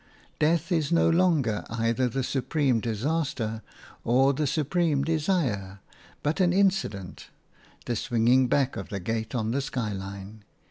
Death is no longer either the supreme disaster or the supreme desire, but an incident – the swinging back of the gate on the skyline.